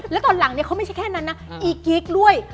แล้วตอนหลังเนี่ยเขาไม่ใช่แค่นั้นนะอีกิ๊กด้วย